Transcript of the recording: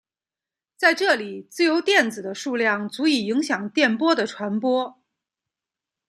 在这里自由电子的数量足以影响电波的传播。